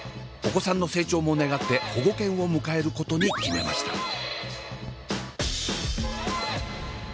お子さんの成長も願って保護犬を迎えることに決めました。